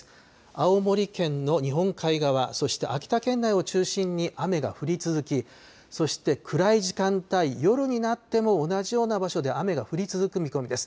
青森県の日本海側、そして秋田県内を中心に雨が降り続きそして暗い時間帯、夜になっても同じような場所で雨が降り続く見込みです。